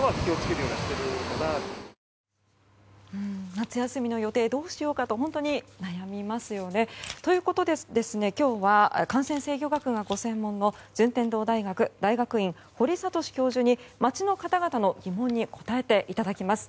夏休みの予定どうしようかと本当に悩みますよね。ということで今日は感染制御学がご専門の順天堂大学大学院堀賢教授に街の方々の疑問に答えていただきます。